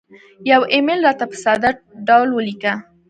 یو ایمیل راته په ساده ډول ولیکه